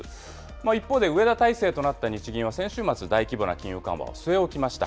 一方で植田体制となった日銀は先週末、大規模な金融緩和を据え置きました。